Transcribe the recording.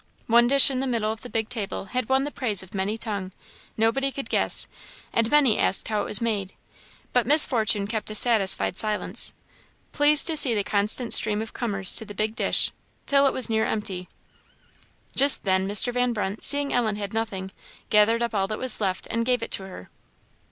One dish in the middle of the big table had won the praise of every tongue; nobody could guess, and many asked how it was made, but Miss Fortune kept a satisfied silence, pleased to see the constant stream of comers to the big dish, till it was near empty. Just then, Mr. Van Brunt, seeing Ellen had nothing, gathered up all that was left, and gave it to her.